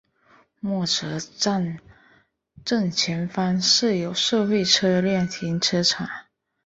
默泽站正前方设有社会车辆停车场。